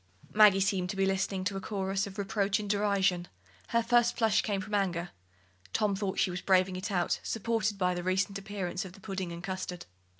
Maggie seemed to be listening to a chorus of reproach and derision. Her first flush came from anger. Tom thought she was braving it out, supported by the recent appearance of the pudding and custard.